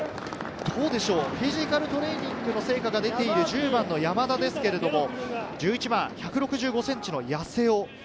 フィジカルトレーニングの成果が出ている１０番の山田ですけれど、１１番、１６５ｃｍの八瀬尾。